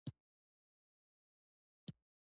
چې ساکي پښتنو په دویم مهاجرت کې،